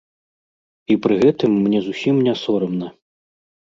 І пры гэтым мне зусім не сорамна.